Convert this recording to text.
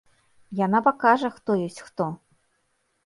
Яна пакажа, хто ёсць хто!